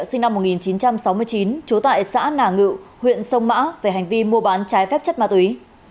sinh năm một nghìn chín trăm sáu mươi chín trú tại xã nà ngự huyện sông mã về hành vi mua bán trái phép chất ma túy